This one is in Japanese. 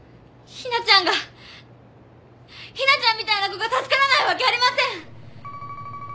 ひなちゃんみたいな子が助からないわけありません！